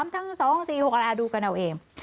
ทั้ง๓ทั้ง๒๔๖ละละดูกันเอาเอง